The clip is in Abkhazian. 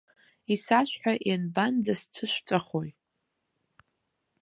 Исашәҳәа, ианбанӡасцәышәҵәахои?